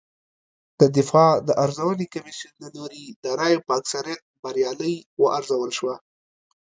د دفاع د ارزونې کمېسیون له لوري د رایو په اکثریت بریالۍ وارزول شوه